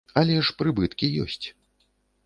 Але ж прыбыткі ёсць!